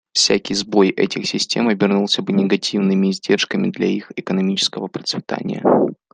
Всякий сбой этих систем обернулся бы негативными издержками для их экономического процветания.